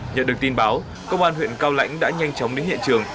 nhận được tin báo công an huyện cao lãnh đã nhanh chóng đến hiện trường